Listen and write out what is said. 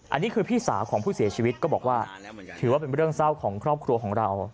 อันนี้คือพี่สาวของผู้เสียชีวิตก็บอกว่าถือว่าเป็นเรื่องเศร้าของครอบครัวของเรา